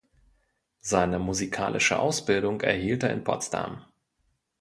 Seine musikalische Ausbildung erhielt er in Potsdam.